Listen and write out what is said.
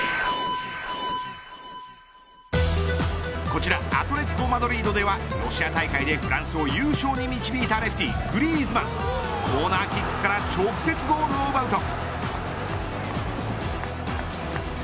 こちらアトレティコ・マドリードではロシア大会でフランスを優勝に導いたレフティー、グリーズマンコーナーキックから直接ゴールを奪うと。